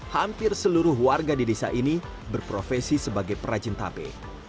hampir seluruh warga di desa ini berprofesi sebagai perajin tape